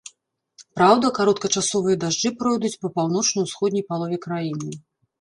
Праўда, кароткачасовыя дажджы пройдуць па паўночна-ўсходняй палове краіны.